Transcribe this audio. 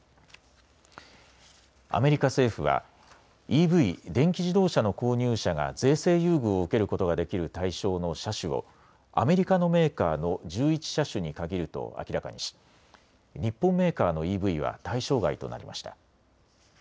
アメリカ政府はＥＶ・電気自動車の購入者が税制優遇を受けることができる対象の車種をアメリカのメーカーの１１車種に限ると明らかにし日本メーカーのＥＶは対象外となりました。